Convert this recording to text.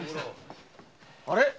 あれ？